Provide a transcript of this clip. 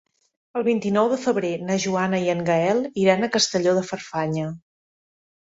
El vint-i-nou de febrer na Joana i en Gaël iran a Castelló de Farfanya.